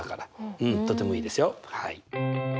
うんとてもいいですよはい。